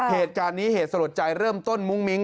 เหตุการณ์นี้เหตุสลดใจเริ่มต้นมุ้งมิ้ง